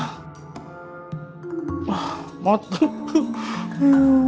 nggak ada apa apa lah